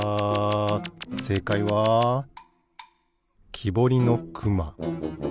せいかいはきぼりのくま。